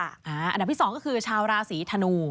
อันดับที่๒ก็คือชาวราศีธนู